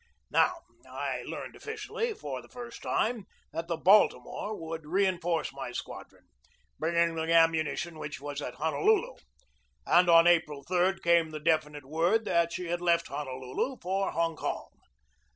Now I learned officially for the first time that the Baltimore would reinforce my squadron, bringing the ammunition which was at Honolulu; and on April 3 came the definite word that she had left Honolulu for Hong Kong.